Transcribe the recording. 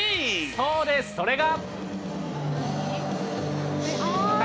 そうです、それが。